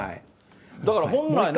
だから本来なら。